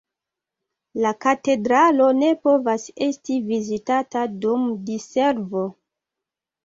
La katedralo ne povas esti vizitata dum diservo.